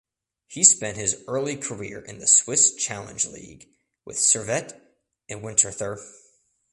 He spent his early career in the Swiss Challenge League with Servette and Winterthur.